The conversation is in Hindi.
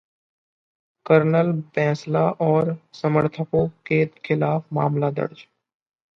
कर्नल बैंसला और समर्थकों के खिलाफ मामला दर्ज